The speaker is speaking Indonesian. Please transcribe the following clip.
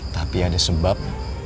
tapi ada sebab